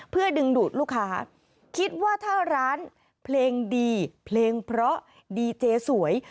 เพื่อดึงดูดลูกค้าคิดว่าถ้าร้านเพลงดีเพลงเพราะดีเจสวย